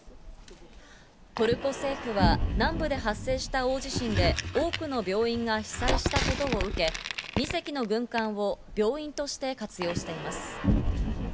トルコ政府は南部で発生した大地震で多くの病院が被災したことを受け、２隻の軍艦を病院として活用しています。